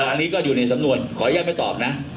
อันนี้ก็อยู่ในสำนวนขออนุญาตไม่ตอบนะ